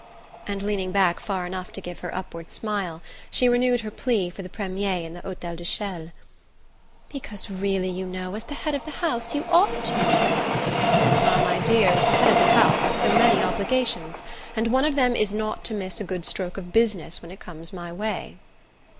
And leaning back far enough to give her upward smile, she renewed her plea for the premier in the Hotel de Chelles: "Because, really, you know, as the head of the house you ought to " "Ah, my dear, as the head of the house I've so many obligations; and one of them is not to miss a good stroke of business when it comes my way."